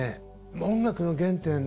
音楽の原点